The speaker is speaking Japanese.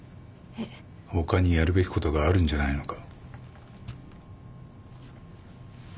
他にやるべきことがあるんじゃないのか？